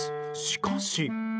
しかし。